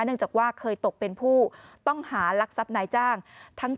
เนื่องจากว่าเคยตกเป็นผู้ต้องหารักทรัพย์นายจ้าง